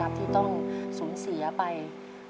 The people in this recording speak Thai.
เงินเงินเงินเงิน